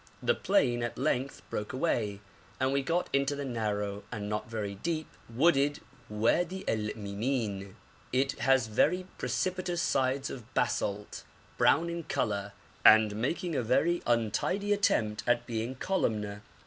The plain at length broke away, and we got into the narrow, and not very deep, wooded Wadi el Mimin. It has very precipitous sides of basalt, brown in colour, and making a very untidy attempt at being columnar.